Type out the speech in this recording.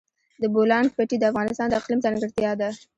د بولان پټي د افغانستان د اقلیم ځانګړتیا ده.